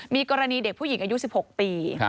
มีกรณีเด็กผู้หญิงอายุ๑๖ปี